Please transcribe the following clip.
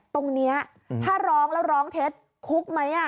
ตรงนี้ถ้าร้องแล้วร้องเท็จคุกไหม